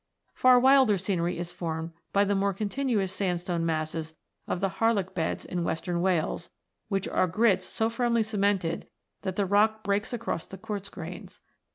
Far wilder scenery is formed by the more con tinuous sandstone masses of the Harlech Beds in western Wales, which are grits so firmly cemented Ill] THE SANDSTONES 75 that the rock breaks across the quartz grains.